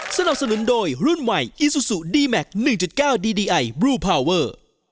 สนับสนุนโดยรุ่นใหม่อีซูซูดีแมค๑๙ดีดีไอบลูพาวเวอร์